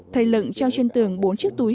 thầy lựng treo trên tường bốn chiếc túi